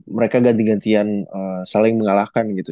mereka ganti gantian saling mengalahkan gitu